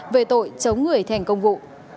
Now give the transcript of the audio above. về tội chống người thành công vụ